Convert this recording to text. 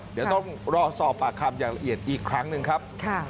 เดี๋ยวต้องรอสอบปากคำอย่างละเอียดอีกครั้งหนึ่งครับ